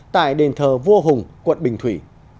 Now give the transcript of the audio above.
tại đền thờ vua hùng quận bình thủy